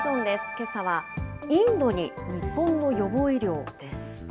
けさはインドに日本の予防医療です。